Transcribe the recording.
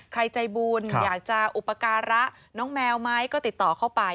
ใจบุญอยากจะอุปการะน้องแมวไหมก็ติดต่อเข้าไป